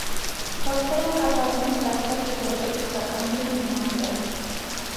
Փորձեր են կատարվում ստեղծել գրեր՝ ռուսական գրի հիման վրա։